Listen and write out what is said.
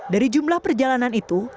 dari jumlah perjalanan itu